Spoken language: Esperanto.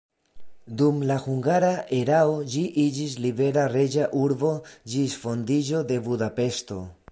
Dum la hungara erao ĝi iĝis libera reĝa urbo ĝis fondiĝo de Budapeŝto.